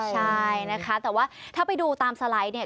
ใช่นะคะแต่ว่าถ้าไปดูตามสไลด์เนี่ย